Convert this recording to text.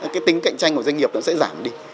cái tính cạnh tranh của doanh nghiệp nó sẽ giảm đi